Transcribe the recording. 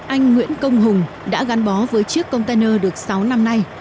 anh nguyễn công hùng đã gắn bó với chiếc container được sáu năm nay